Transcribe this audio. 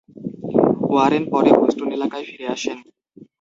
Warren পরে Boston এলাকায় ফিরে আসেন।